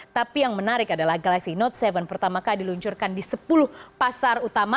tapi yang menarik adalah galaxy note tujuh pertama kali diluncurkan di sepuluh pasar utama